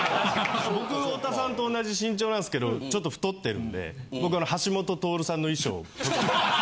僕太田さんと同じ身長なんですけどちょっと太ってるんで僕。